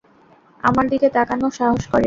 আমার দিকে তাকানোর সাহস করে!